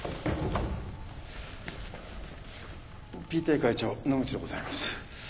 ＰＴＡ会長野口でございます。